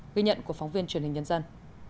ghi nhận của phóng viên truyền hình nhân dân